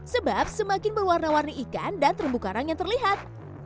sebab semakin berwarna warni ikan dan terumbu karang yang terlihat